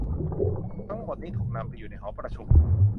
ทั้งหมดนี้ถูกนำไปอยู่ในหอประชุม